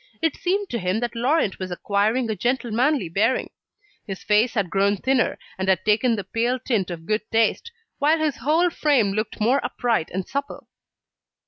It seemed to him that Laurent was acquiring a gentlemanly bearing; his face had grown thinner, and had taken the pale tint of good taste, while his whole frame looked more upright and supple.